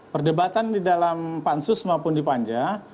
perdebatan di dalam pansus maupun di panja